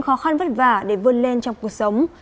khoan vất vả để vươn lên trong cuộc sống